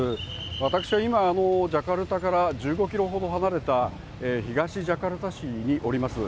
私は今、ジャカルタから１５キロほど離れた東ジャカルタ市におります。